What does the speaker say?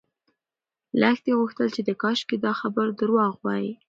لښتې غوښتل چې کاشکې دا خبر درواغ وای.